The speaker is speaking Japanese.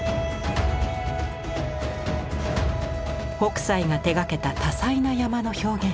北斎が手がけた多彩な山の表現。